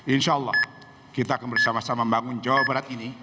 insyaallah kita akan bersama sama membangun jawa barat ini